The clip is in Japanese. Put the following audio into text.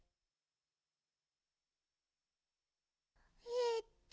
・えっと